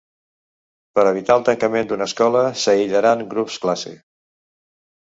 Per evitar el tancament d’una escola s’aïllaran grups-classe.